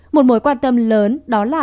một mối quan tâm lớn đó là